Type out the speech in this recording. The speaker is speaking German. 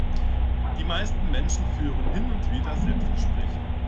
Die meisten Menschen führen hin und wieder Selbstgespräche.